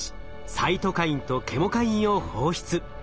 サイトカインとケモカインを放出。